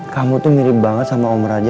kamu tuh mirip banget sama om raja